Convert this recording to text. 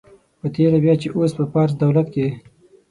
په تېره بیا چې اوس په فارس دولت کې.